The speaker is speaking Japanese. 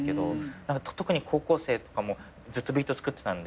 特に高校生とかもずっとビート作ってたんで。